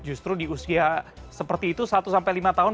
justru di usia seperti itu satu sampai lima tahun